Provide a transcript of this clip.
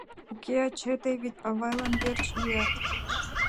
— Уке, ачый, тый вет авыйлан верч йӱат...